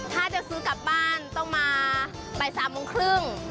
ถ้าจะซื้อกลับบ้านต้องมาบ่าย๓โมงครึ่ง